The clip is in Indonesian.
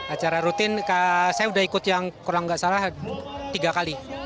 acara rutin saya sudah ikut yang kurang tidak salah tiga kali